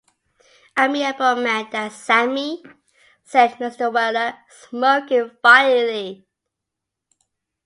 ‘Amiable man that Sammy,’ said Mr. Weller, smoking violently.